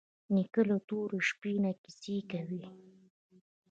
نیکه له تورې شپې نه کیسې کوي.